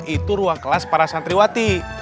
itu ruang kelas para santriwati